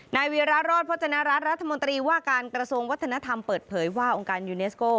วีระรอดพจนรัฐรัฐรัฐมนตรีว่าการกระทรวงวัฒนธรรมเปิดเผยว่าองค์การยูเนสโก้